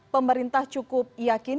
pemerintah cukup yakin